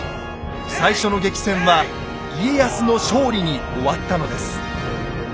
最初の激戦は家康の勝利に終わったのです。